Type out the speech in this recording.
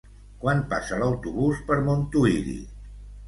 Quan passa l'autobús per Montuïri?